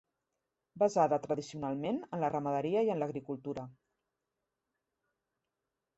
Basada tradicionalment en la ramaderia i en l'agricultura.